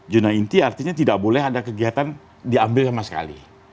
juna inti artinya tidak boleh ada kegiatan diambil sama sekali